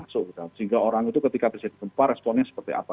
sehingga orang itu ketika terjadi gempa responnya seperti apa